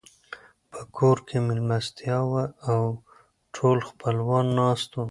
په کور کې مېلمستيا وه او ټول خپلوان ناست وو.